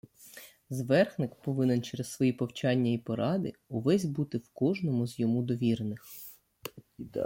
Зверхник повинен через свої повчання і поради увесь бути в кожному з йому довірених.